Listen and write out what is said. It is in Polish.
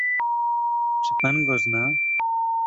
"Czy pan go zna?"